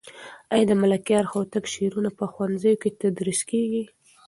آیا د ملکیار هوتک شعرونه په ښوونځیو کې تدریس کېږي؟